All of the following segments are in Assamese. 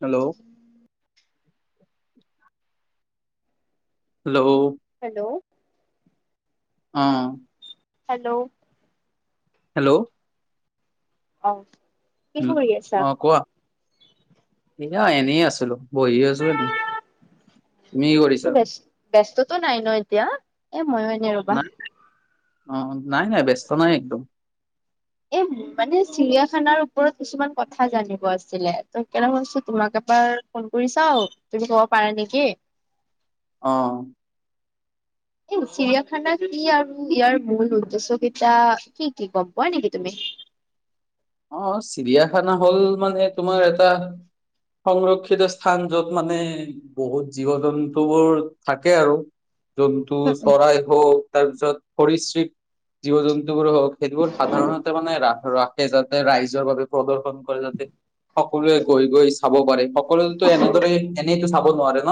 হেল্ল' হেল্ল' হেল্ল' অ হেল্ল' হেল্ল', অ', কি হেল্ল' কৰি আছা অ, কোৱা এয়া এনেই আছিলোঁ। বহি আছোঁ এনে, ব্যস্ত ব্যস্তটো নাই ন? এতিয়া, এ ময়ো এনে ৰবা, নাই অ', নাই নাই ব্যস্ত নাই একদম। এ, মানে চিৰিয়াখানাৰ ওপৰত কিছুমান কথা জানিব আছিলে। ত সেই কাৰণে ভাবিছোঁ তোমাকে এবাৰ ফোন কৰি চাওঁ, তুমি কব পাৰা নেকি? অ', এই চিৰিয়াখানাটো কি আৰু ইয়াৰ মূল উদ্দেশ্য কেইটা কি কি গম পোৱা নেকি? তুমি [inaudible] অ'--চিৰিয়াখানা হ'ল মানে তোমাৰ এটা সংৰক্ষিত স্থান য'ত মানে, বহুত জীৱ জন্তুবোৰ থাকে। আৰু জন্তু চৰাই হওঁক তাৰপিছত সৰীশৃপ জীৱ জন্তু বোৰক সেইবোৰ সাধাৰণতে মানে ৰা ৰাখে যাতে ৰাইজৰ বাবে প্ৰদৰ্শন কলেজতে সকলোৱে গৈ গৈ চাব পাৰে। সকলোৱেটো এনেদৰে এনেই টো চাব নোৱাৰে ন?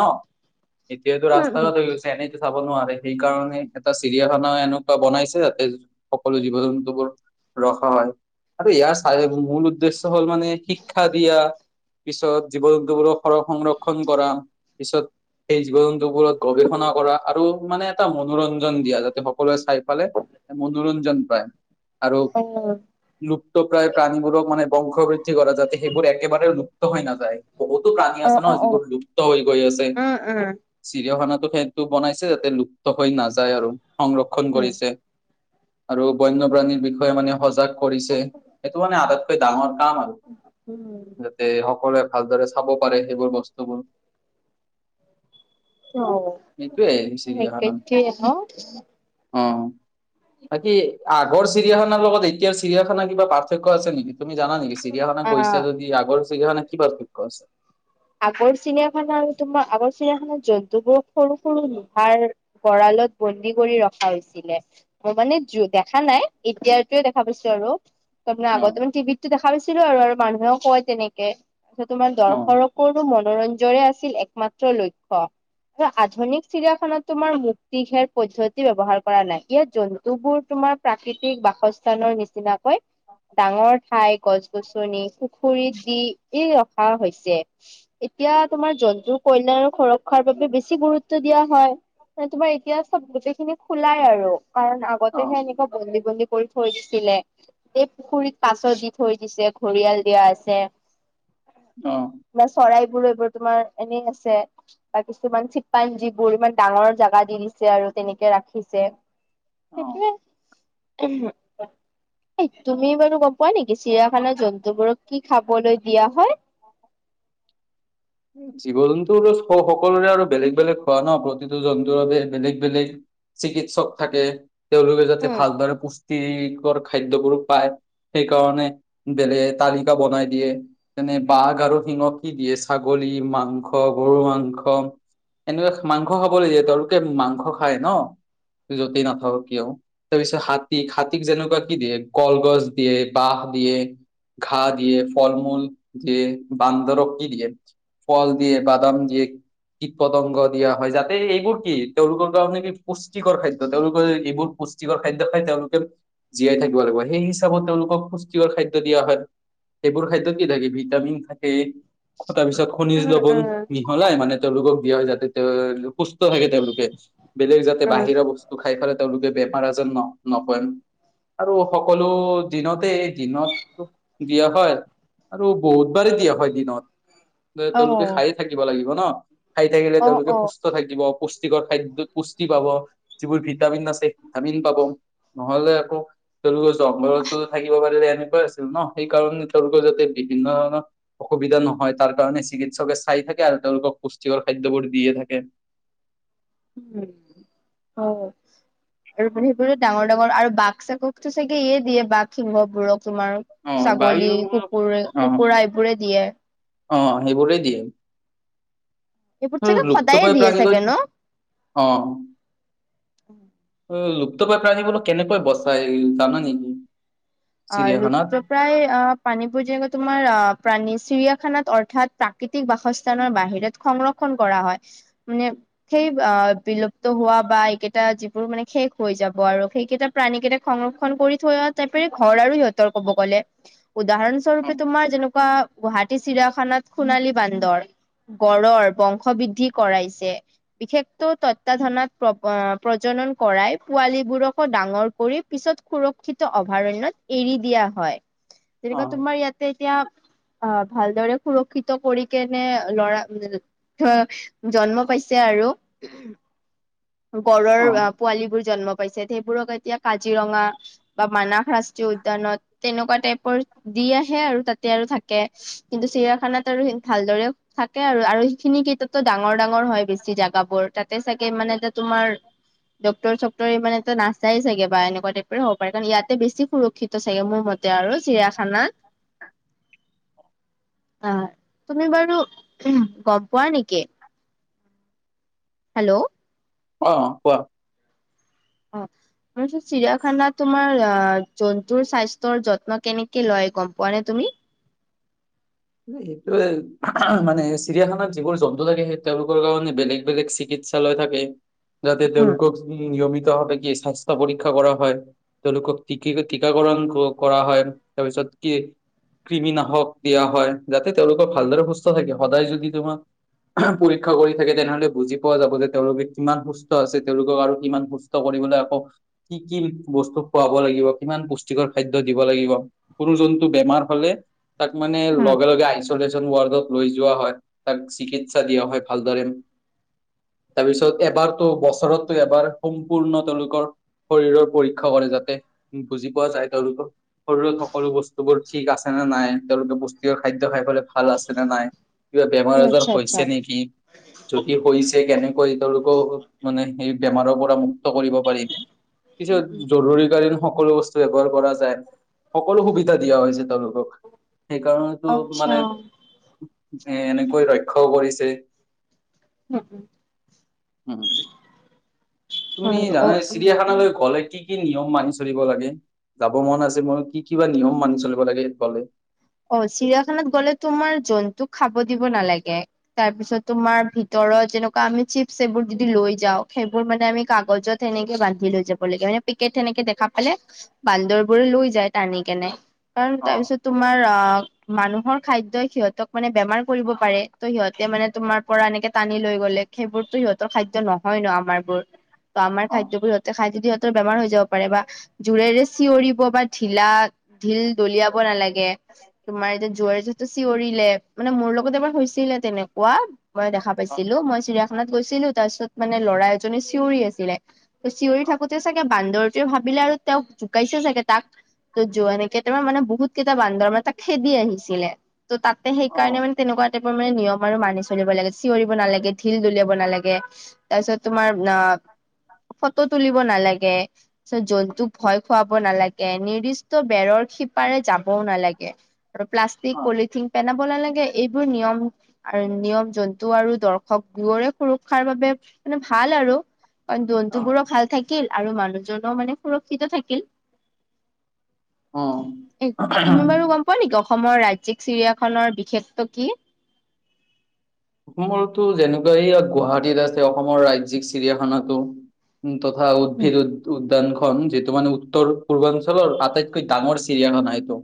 এতিয়াটো ৰাস্ত ঘাট হৈ গৈছে এনেইটো চাব নোৱা সেই কাৰণে এটা চিৰিয়াখানা এনেকুৱা বনাইছে যাতে সকলো জীৱ-জন্তুবোৰ ৰখা হয় আৰু ইয়াৰ চাৰে মূ মূল উদ্দেশ্য হ'ল মানে শিক্ষা দিয়া। পিছত জীৱ জন্তুবোৰক সৰ সংৰক্ষন কৰা, পিছত সেই জীৱ জন্তুবোৰক গৱেষণা কৰা আৰু মানে এটা মনোৰঞ্জন দিয়া। যাতে সকলোৱে চাই পালে মনোৰঞ্জন পায়। অ, ত প্ৰায় প্ৰাণীবোৰক মানে বংশ বৃদ্ধি কৰা যাতে সেইবোৰ একেবাৰে লুপ্ত হৈ নযায়। বহুতো প্ৰাণী অ আছে অ ন? অ যিবোৰ লুপ্ত হৈ গৈ আছে। উম উম চিৰিয়াখানাত, ত সেইটো বনাইছে যাতে লুপ্ত হৈ নাযায় আৰু সংৰক্ষণ উম কৰিছে। আৰু বন্যপ্ৰাণীৰ বিষয়ে মানে সজাগ কৰিছে। এইটো মানে আটাইতকৈ ডাঙৰ কাম হ'ল উম যাতে সকলোৱে ভালদৰে চাব পাৰে সেইবোৰ বস্তুবোৰৰ চিৰিয়াখানা অ'একেঠেই ন অ' বাকি আগৰ চিৰিয়াখানাৰ লগত এতিয়াৰ চিৰিয়াখানা কিবা পাৰ্থক্য আছে নেকি? তুমি জান নেকি? চিৰিয়াখানা আহ গৈছা যদি আগৰ চিৰিয়াখানাত কি পাৰ্থক্য আছে। আগৰ চিৰিয়াখানা আৰু তোমাৰ আগৰ চিৰিয়াখানাত জন্তুবোৰ সৰু সৰু লোহাৰ গড়াল বিলাক বন্দী কৰি ৰখা হৈছিলে। মই মানে দেখা নাই। এতিয়াৰটো দেখা পাইছোঁ আৰু তাৰমানে অ আগতেও টিভিতটো দেখা পাইছিলোঁ আৰু মানুহেও কয় তেনেকে তোমাৰ অ দৰ্শ মনোৰঞ্জয়ে আছিল একমাত্ৰ লক্ষ্য। ইয়াত আধুনিক চিৰিয়াখানাত তোমাৰ মুক্তি ঘেৰ পদ্ধতি ব্যৱহাৰ কৰা নাই। ইয়াত জন্তু বোৰ তোম তোমাৰ প্ৰাকৃতিক বাসস্থানৰ নিচিনাকৈ ডাঙৰ ঠাই, গছ-গছনি, পুখুৰীত দি এই ৰখা হৈছে। এতিয়া, তোমাৰ জন্তুৰ কল্যাণ আৰু সুৰক্ষাৰ বাবে বেছি গুৰুত্ব দিয়া হয়। মানে তোমাৰ এতিয়া চ'ব গোটেই খিনি খোলাই আৰু কাৰণ অ আগতেহে এনেকুৱা বন্দী বন্দী কৰি থৈয় দিছিলে। এই পুখুৰীত কাছ দি থৈ দিছে, ঘৰিয়াল দিয়া আছে। অহ' ইমান চৰাই বোৰ এইবোৰ তোমাৰ এনেই আছে। বা কিছুমান চিম্পাঞ্জিবোৰ ইমান ডাঙৰ জাগাত দি দিছে আৰু তেনেকে ৰাখিছে। অ। সেইটোৱে, তুমি বাৰু গ'ম নোপোৱা নেকি? চিৰিয়াখানা জন্তুবোৰক কি খাবলৈ দিয়া হয়। জীৱ জন্তু বোৰৰ স সকলোৰে আৰু বেলেগ বেলেগ খোৱা ন? প্ৰতিটো জন্তুৰ বাবে বেলেগ বেলেগ চিকিৎসক থাকে। তেওঁলোকে যাতে উম ভালদৰে পুষ্টিক খাদ্যবোৰ পায় সেইকাৰণে বেলেগ তালিকা বনাই দিয়ে যেনে বাঘ আৰু সিংহক কি দিয়ে ছাগলী মাংস, গৰু মাংস এনেকুৱা মাংস খাবলে দিয়ে তেওঁলোকে মাংস খায় ন য'তেই নাথাকক কিয় তাৰ পিছত হাতীক হাতীক যেনেকুৱা কি দিয়ে কলগছ দিয়ে বাহ দিয়ে ঘাঁহ দিয়ে ফল মূল দিয়ে বান্দৰক কি দিয়ে ফল দিয়ে বাদাম দিয়ে কীট পতংগ দিয়া হয় যাতে এইবোৰ কি তেওঁলোকৰ কাৰণে কি পুষ্টিকৰ খাদ্য তেওঁলোকৰ যে এইবোৰ পুষ্টিকৰ খাদ্য খাই তেওঁলোকে জীয়াই থাকিব লাগিব সেই হিচাপত তেওঁলোকক পুষ্টিকৰ খাদ্য দিয়া হয় সেইবোৰ খাদ্য কি থাকে ভিটামিন থাকে তাৰ পিছত খনিজ উম লবন উম মিহলাই মানে তেওঁলোকক দিয়া হয় যাতে তেওঁলোক সুস্থ থাকে তেওঁলোকে বেলেগ যাতে উম বাহিৰৰ বস্তু খাই পেলাই তেওঁলোকে বেমাৰ আজৰত ন নপয়েম আৰু সকলো দিনতে এই দিনতো দিয়া হয় আৰু বহুত বাৰেই দিয়া হয় দিনত অ তেওঁলোকে খায়ে থাকিব লাগিব ন খাই থাকিলে অ তেওঁলোকে অ সুস্থ থাকিব পুষ্ কৰ খাদ্যত পুষ্টি পাব যিবোৰ ভিটামিন আছে ভিটামিন পাব নহলে আকৌ তেওঁলোকৰ জংঘলতো থাকিব পাৰিলেহেতেন আছিল ন সেই কাৰণে তেওঁলোকৰ যাতে বিভিন্ন ধৰণৰ অসুবিধা নহয় যাৰ কাৰণে চিকিৎসকে চাই থাকে আৰু তেওঁলোকক পুষ্টিকৰ খাদ্যবোৰ দিয়ে থাকে উম হ আৰু সেইবোৰো ডাঙৰ ডাঙৰ আৰু বাঘ চাঘক টো চাগে ইয়ে দিয়ে বাঘ সিংহ বোৰক তোমাৰ অ ছাগলী বায়ু কুকুৰে অ কুকুৰা এইবোৰে দিয়ে অ সেইবোৰে দিয়ে এইবোৰ চাগে সদায়ে লুপ্তপ্ৰায় দিয়ে প্ৰাণী গৈ চাগে ন অ অ লুপ্তপ্ৰায় প্ৰাণী বোৰক কেনেকৈ বচাই জানা নেকি অ চিৰিয়াখানাত? লুপ্তপ্ৰায় প্ৰণীবোৰ যেনেকৈ তোমাৰ প্ৰাণী চিৰিয়া খানাত অৰ্থাত প্ৰাকৃতিক বাসস্থানৰ বাহিৰত সংৰক্ষণ কৰা হয় মানে সেই বিলুপ্ত হোৱা বা এইকেইটা যিবোৰ মানে শেষ হৈ যাব আৰু সেইকেইটা প্ৰাণী কেইটাক সংৰক্ষণ কৰি থোৱাটাইপৰে ঘৰ আৰু সিহতৰ ক'ব গ'লে উদাহৰণ অ স্বৰূপে তোমাৰ যেনেকুৱা গুৱাহাটী চিৰাখানাত সোনালী বান্দৰ গড়ৰ বংশ বৃদ্ধি কৰাইছে বিশেষত তত্বাধানত প্ৰজ- নন কৰাই পোৱালীবোৰকো ডাঙৰ কৰি পিছত সুৰক্ষিত অভয়াৰণ্যত এৰি দিয়া হয় অ যেনেকুৱা তুমাৰ ইয়াতে এতিয়া অ ভালদৰে সুৰক্ষিত কৰি কেনে ল'ৰা জন্ম পাইছে আৰু গড়ৰ অ পোৱালী বোৰ জন্ম পাইছে সেইবোৰক এতিয়া কাজিৰঙা বা মানস ৰাষ্ট্ৰীয় উদ্যানত তেনেকুৱা টাইপৰ দি আহে আৰু তাতে আৰু থাকে কিন্তু চিৰিয়াখানাত ভালদৰে থাকে আৰু আৰু সেইখিনি কেইটাতো ডাঙৰ ডাঙৰ হয় বেছি জাগা বোৰ তাতে চাগে মানে তাত তোমাৰ ডক্তৰ -চক্তৰে ই মানে নাচায় চাগে বা এনেকুৱা টাইপৰে হ'ব পাৰে কাৰণ ইয়াত বেছি সুৰক্ষিত চাগে মোৰ মতে আৰু চিৰিয়াখানা আহ তুমি বাৰু গম পোৱা নেকি হেল্ল' অ কোৱা অ ত চিৰিয়াখানাত তোমাৰ জন্তুৰ স্বাস্থ্যৰ যত্ন কেনেকে লয় গম পোৱা নে তুমি [inaudible] সেইটোৱে মানে চিৰিয়াখানাত যিবোৰ জন্তু থাকে সেই তেওঁলোকৰ কাৰণে বেলেগ বেলেগ চিকিৎসা চিকিৎসালয় থাকে যাতে তেওঁলোকক নিয়মিত কি স্বাস্থ্য পৰীক্ষা কৰা হয় তেওঁলোকক টিকাকৰণ কৰা হয় তাৰপিছত ক কৃমি নাশক দিয়া হয় যাতে তেওঁলোকক ভালদৰে সুস্থ থাকে সদায় যদি তোমাৰ পৰীক্ষা কৰি থাকে তেনেহলে বুজি পোৱা যাব যে তেওঁলোকে কিমান সুস্থ আছে তেওঁলোকক আৰু কিমান সুস্থ কৰি আকৌ কি কি বস্তু খুৱাব লাগিব কিমান পুষ্টিকৰ খাদ্য দিব লাগিব কোনো জ হম [unintelligible] আইচলেচন ৱাৰডত লৈ যোৱা হয় তাক চিকিৎসা দিয়া হয় ভালদৰে তাৰপিছত এবাৰতো বছৰতো এবাৰ সম্পূৰ্ণ তেওঁলোকৰ শৰীৰৰ পৰীক্ষা কৰে যাতে বুজি পোৱা যায় তলোক শৰীৰত সকলো বস্তুবোৰ ঠিক আছে নাই তেওঁলোকে খ খাই পাই ভাল আছে নে নাই কিবা অ বেমাৰ আজাৰ আচ্ছা আচ্ছা হৈছে নেকি যদি হৈছে কেনেকৈ তেওঁলোকক মানে সেই বেমাৰৰ পৰা মুক্ত কৰিব পাৰি কিছু জৰুৰীকালীন সকলো বস্তু ব্যৱহাৰ কৰা যায় সকলো সুবিধা দিয়া হৈছে তেওঁলোকক সেইকাৰণে টো মানে আচ্ছা এ এনেকৈ ৰক্ষাও কৰিছে উম উম উম তুমি জানা চিৰিয়াখানালৈ গলে কি কি নি নিয়ম মানি চলিব লাগে যাব মন আছে। মোৰ কি কিবা নিয়ম মানি চলিব লাগে। এইফালে অ' চিৰিয়াখানাত গ'লে তোমাৰ জন্তুক খাব দিব নালাগে, তাৰ পিছত তোমাৰ ভিতৰত যেনেকুৱা আমি চিপ এইবোৰ যদি লৈ যাওঁ সেইবোৰ মানে আমি কাগজত সেনেকে বান্ধি লৈ যাব লাগে মানে পেকেট সেনেকে দেখা পালে বান্দৰ বো লৈ যায় টানি কেনে কাৰণ অ তাৰ পিছতটো অ' মানুহৰ খাদ্যই সিহঁতক মানে বেমাৰ কৰিব পাৰে ত সিহঁতে মানে তোমাৰ পৰা এনেকে টানি লৈ গ'লে সেইবোৰতো সিহঁতৰ খাদ্য নহয় ন আমাৰ বোৰৰ ত আমাৰ অ খাদ্য বোৰ সিহঁতে খাই যদি সিহতে বেমাৰ হৈ যাব পাৰে বা জোৰেৰে চিঞৰিব বা ঢিলা ঢিল দলিয়াব নালাগে তোমাৰ এতিয়া জুৱাৰটো চিঞৰিলে মানে মোৰ লগত এবাৰ হৈছিলে তেনেকুৱা মই দেখা অ পাইছিলো মই চিৰিয়াখানাত গৈছিলো তাৰ পিছত মানে লৰা চিঞৰি আছিলে ত চিঞৰি থাকোতে চাগে বান্দৰ ভাবিলে আৰু তেওঁক জোকাইছে চাগে তাক ত য এনেকে তাৰ মানে বহুত কেইটা বান্ধ মানে তাক খেদি আহিছিলে ত' তাতে অ সেইকাৰণে মানে তেনেকুৱা মানে নিয়ম আৰু মানি চলিব লাগে চিঞৰিব নালাগে ঢিল দলিয়াব নালাগে তাৰপিছত তোমাৰ ন ফটো তুলিব নালাগে। জন্তুক ভয় খুৱাব নালাগে নিৰ্দিষ্ট বেৰৰ শিপাৰে যাবও নালাগে। প্লাষ্টিক পলিথিন পে নালাগে এইবোৰ নিয়ম আৰু নিয়ম জন্তু আৰু দৰ্শক দুয়ৰে সুৰক্ষাৰ বাবে মানে ভাল আৰু কাৰণ অ জন্তুবোৰো ভাল থাকিল আৰু মানুহজনও মানে সুৰক্ষিত থাকিল। এ তুমি বাৰু গম পোৱা অ' অসমৰ ৰাজ্যিক চিৰিয়াখনৰ বিশেষটো কি? অসমতো যেনেকুৱা ইয়াত গুৱাহাটীত আছে অসমৰ ৰাজিক চিৰিয়াখানাতো। উম, তথা উদ্ভিদ উ উ যোনখন যিটো মান উত্তৰ পূৰ্বাঞ্চলৰ আটাইতকৈ ডাঙৰ চিৰিয়াখানা এইটো।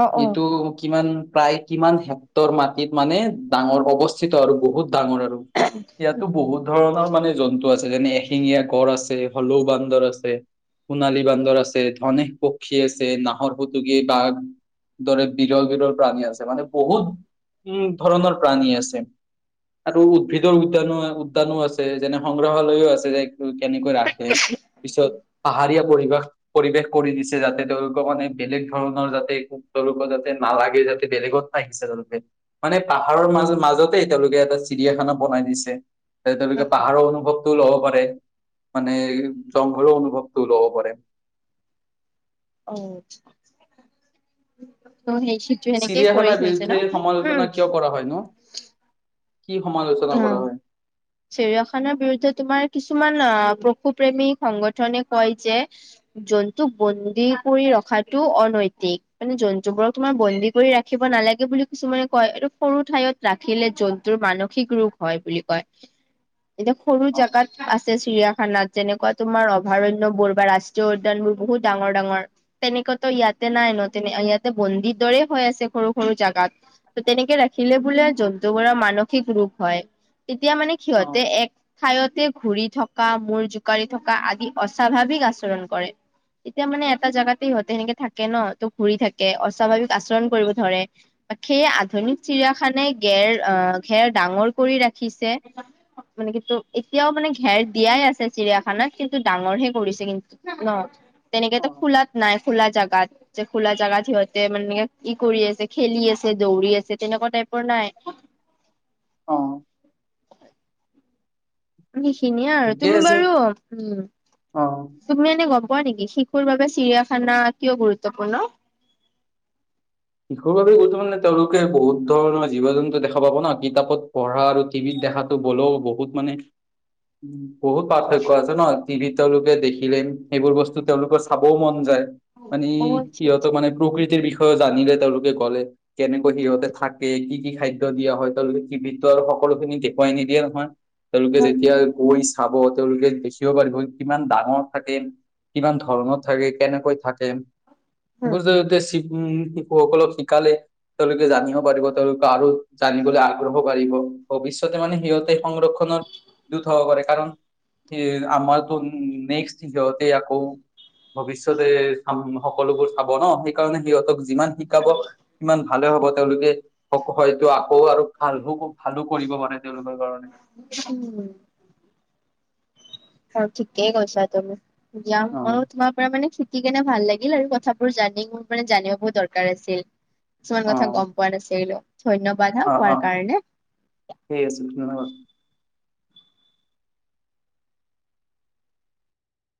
অ অ উ এইটো কিমান প্ৰায় কিমান হেক্টৰ মাটিত মানে ডাঙৰ অৱস্থিত আৰু বহুত ডাঙৰ আৰু ইয়াতো বহুত ধৰণৰ মানে জন্তু আছে। যেনে এশিঙীয়া গড় আছে, হলৌ বান্দৰ আছে। সোণালী বান্দৰ আছে, ধনেক পক্ষী আছে, নাহৰ ফুটুকী বাঘ দৰে বিৰল বিৰল প্ৰাণী আছে মানে বহুত উম ধৰণৰ প্ৰাণী আছে। আৰু উদ্ভিদৰ উদ্যানো উদ্যানো আছে যেনে সংগ্ৰহালয়ো আছে যে। কেনেকৈ ৰাখে পিছত পাহাৰীয়া পৰিৱেশ পৰিৱেশ কৰি দিছে যাতে তেওঁলোকক মানে বেলেগ ধৰণৰ যাতে তেওঁলোকৰ যাতে নালাগে। বেলেগত ন আহিছে তেওঁলোকে মানে আৰু মাজ মাজতে তেওঁলোকে এটা চিৰিয়াখানা বনাই দিছে তেওঁলোকে পাহাৰৰ অনুভৱ ল'ব পাৰে, মানে জংঘলো অনুভৱটো ল'ব পাৰে। অ' ত সেই শিটো এনেকেই কৰি চিৰিয়াখানাৰ থৈছে বিৰুদ্ধে সমালোচনা কিয় ন। কৰা হয় নো কি সমালোচনা কৰা হয়। চেৰিয়াখানৰ বিৰুদ্ধে তোমাৰ কিছুমান আহ পশুপ্ৰেমী সংগঠনে কয় যে। জন্তুক বন্দী কৰি ৰখাটো অনৈতিক মানে জন্তুবোৰক তোমাৰ বন্দী কৰি ৰাখিব। নালাগে বুলি কিছুমানে কয়, এইটো সৰু ঠাইত ৰাখিলে জন্তুৰ মানসিক ৰোগ হয় বুলি কয়। এতিয়া সৰু অ জোগাত আছে। চিৰিয়াখানাত যেনেকুৱা তোমাৰ অভয়াৰণ্য বোৰ বা ৰাষ্ট্ৰীয় উদ্যান বোৰ বহুত ডাঙৰ ডাঙৰ তেনেকেতো ইয়াতে নাই ন তেনে ইয়াতে বন্দিৰ দৰে হৈ আছে সৰু সৰু জেগাত ত তেনেকে ৰাখি। ৰাখিলে বোলে জন্তুবোৰৰ মানসিক ৰোগ হয় তেতিয়া মানে অ সিহঁতে এক ঠাইত তে, ঘূৰি থকা মূৰ জোকাৰি থকা আদি অস্বাভাৱিক আচৰণ কৰে। এতিয়া মানে এটা জোগাতে ইহঁতে সেনেকে থাকে ন ত ঘূৰি থাকে, অস্বাভাৱিক আচৰণ কৰিব ধৰে সেইয়ে আধুনিক চিৰিয়াখানে ঘেৰ আহ ঘেৰ ডাঙৰ কৰি ৰাখি উঠিছে মানে টো কিন্তু এতিয়াও মানে ঘেৰ দিয়াই আছে চিৰিয়াখানাত কিন্তু ডাঙৰ হে কৰিছে কিন্তু ন অ তেনেকেতো খোলাত নাই। খোলা জাগাত যে খোলা জাগাত সিহঁতে মানে কি কৰি আছে খেলি আছে। দৌৰি আছে তেনেকুৱা টাইপৰ নাই অ সেইখিনিয়ে আৰু ঠিকে তুমি আছে বাৰু উ অ তুমি এনে গবা কোৱা নেকি শিশুৰ বাবে চিৰিয়াখানা কিয় গুৰুত্বপূৰ্ণ শিশুৰ বাবে কো মানে তেওঁলোকে বহুত ধৰণৰ জীৱ জন্তু দেখা পাব ন কিতাপত পঢ়া আৰু টিভিত দেখাতো ব'লেও বহুত মানে বহুত পাৰ্থক্য আছে ন টিভিত তেওঁলোকে দেখিলেম সেইবোৰ বস্তু তেওঁলোকৰ চাবও মন যায়। মানে অ আচ্ছা আচ্ছা সিহঁতক মানে প্ৰকৃতিৰ বিষয়ে জানিলে। তেওঁলোকে গ'লে কেনেকৈ সিহঁতে থাকে কি কি খাদ্য দিয়া হয় তেওঁলোকে কি বিত্ত আৰু সকলোখিনি গেটৰ কই নিদিয়ে নহয় তেওঁলোকে যেতিয়া গৈছে। খাব তেওঁলোকে দেখিও পাৰিব কিমান ডাঙৰ থাকে। কিমান ধৰণৰ থাকে কেনেকৈ থাকে উ হয় শিশুসকলক শিকালে তেওঁলোকে জানিব পাৰিব তেওঁলোকে আৰু জানিবলৈ আগ্ৰহ কৰিবিব ভৱিষ্বতে মানে সিহঁতে সংৰক্ষণৰ দুত হ কৰে কাৰণ স আমাৰতো নেক্সটতে আকৌ ভৱিষ্যতে চ সকলোবোৰ চাব ন সেইকাৰণে সিহঁতক যিমান শিকাব কিমান ভালে হব তেওঁলোকে হয়তো আকৌ আৰু ভাল ভালো কৰিব পাৰে তেওঁলোকৰ কাৰণে উম অ ঠিকেই কৈছা তুমি যাম অ মই তোমাৰ পৰা মানে স কেনে ভাল লাগিল আৰু কথাবোৰ জানি মোৰ মানে জানিব দৰকাৰ আছিল কিছুমান অ কথা গম পোৱা নাছিল এইিলো ধন্যবাদ হা অ কোৱাৰ অ কাৰণে ঠিক আছে ধন্যবাদ